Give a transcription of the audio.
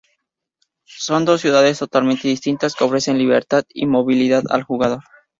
Son dos ciudades totalmente distintas que ofrecen libertad y movilidad al jugador.